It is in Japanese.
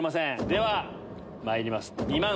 ではまいります。